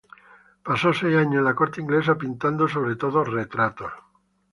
Pasó seis años en la corte inglesa, pintando sobre todo retratos.